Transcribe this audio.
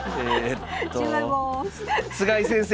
菅井先生。